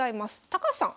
高橋さん